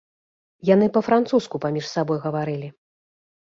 Яны па-французску паміж сабой гаварылі.